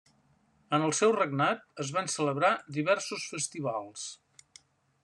En el seu regnat es van celebrar diversos festivals.